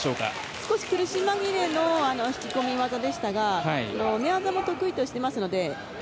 少し苦し紛れの引き込み技でしたが寝技も得意としていますので。